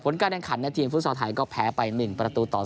การแข่งขันในทีมฟุตซอลไทยก็แพ้ไป๑ประตูต่อ๐